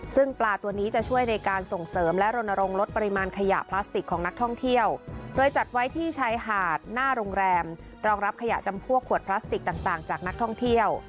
ซึ่งปลาตัวนี้จะช่วยในการส่งเสริมและรณรงค์ลดปริมาณขยะพลาสติกของนักท่องเที่ยวโดยจัดไว้ที่ชายหาดหน้าโรงแรมรองรับขยะจำพวกขวดพลาสติกต่างจากนักท่องเที่ยว